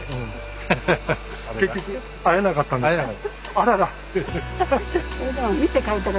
あらら。